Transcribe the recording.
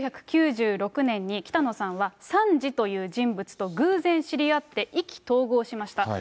１９９６年に北野さんはサンジという人物と偶然知り合って、意気投合しました。